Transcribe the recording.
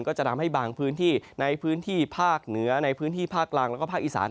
ก็จะทำให้บางพื้นที่ในพื้นที่ภาคเหนือในพื้นที่ภาคกลางแล้วก็ภาคอีสาน